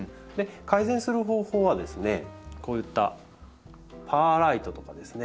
改善する方法はですねこういったパーライトとかですね